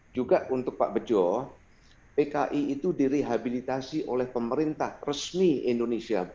juga untuk pak bejo pki itu direhabilitasi oleh pemerintah resmi indonesia